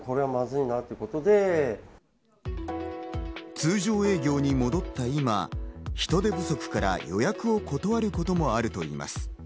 通常営業に戻った今、人手不足から予約を断ることもあるといいます。